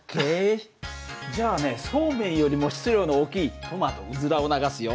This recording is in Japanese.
じゃあねそうめんよりも質量の大きいトマトうずらを流すよ。